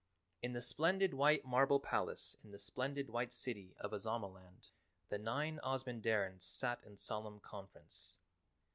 In the splendid white marble Palace in the splendid White City of Ozamaland the nine Ozamandarins sat in solemn conference.